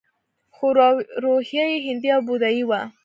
خو روحیه یې هندي او بودايي وه